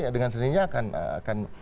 dengan sendirinya akan